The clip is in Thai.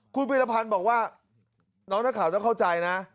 คุณพิรพันธ์บอกว่าน้องหน้าข่าวจะเข้าใจนะ